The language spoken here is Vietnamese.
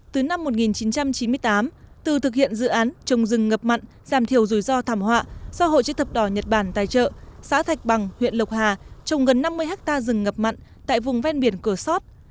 từ năm một nghìn chín trăm chín mươi tám từ thực hiện dự án trồng rừng ngập mặn giảm thiểu rủi ro thảm họa do hội chữ thập đỏ nhật bản tài trợ xã thạch bằng huyện lộc hà trồng gần năm mươi hectare rừng ngập mặn tại vùng ven biển cửa sót